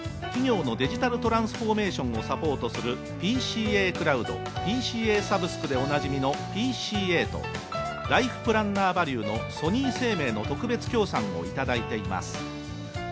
企業のデジタルトランスフォーメーションをサポートする「ＰＣＡクラウド、ＰＣＡサブスク」でおなじみのＰＣＡと「ライフプランナーバリュー」のソニー生命の特別協賛を頂いています。